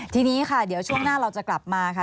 ทีนี้ค่ะเดี๋ยวช่วงหน้าเราจะกลับมาค่ะ